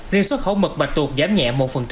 riêng xuất khẩu mực bạch tuột giảm nhẹ một